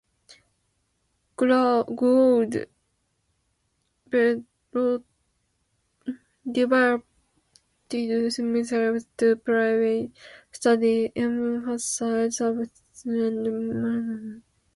Gould devoted himself to private study, emphasizing surveying and mathematics.